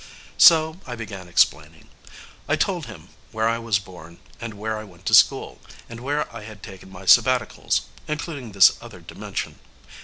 So I began explaining. I told him where I was born, and where I went to school, and where I had taken my sabbaticals including this other dimension.